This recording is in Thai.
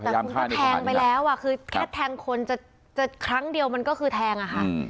แต่คุณก็แทงไปแล้วคือแค่แทงคนจะครั้งเดียวมันก็คือแทงอะค่ะ